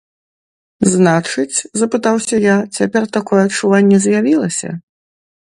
Значыць, запытаўся я, цяпер такое адчуванне з'явілася?